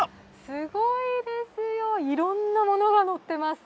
すごいですよ、いろんなものがのっています。